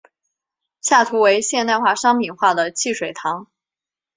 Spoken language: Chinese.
下图为现代商品化的汽水糖。